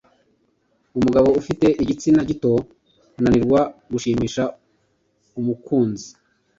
umugabo ufite igitsina gito ananirwa gushimisha umukunzi